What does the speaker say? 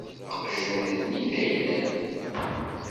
Aqjun-nni d ayla-m.